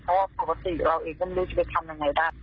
ปกติเราเองก็ไม่รู้ที่จะทำยังไงได้